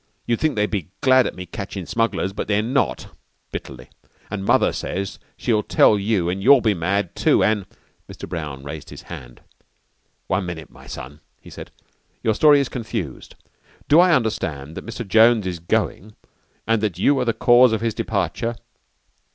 You'd think they'd be glad at me catchin' smugglers, but they're not," bitterly. "An' Mother says she'll tell you an' you'll be mad too an' " Mr. Brown raised his hand. "One minute, my son," he said. "Your story is confused. Do I understand that Mr. Jones is going and that you are the cause of his departure?"